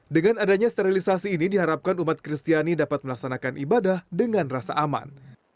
dengan adanya sterilisasi ini diharapkan umat kristiani dapat melaksanakan ibadah dengan rasa aman